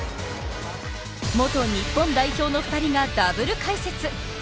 元日本代表の２人がダブル解説。